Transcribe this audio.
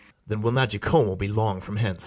Then will not Jacomo be long from hence.